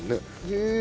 へえ！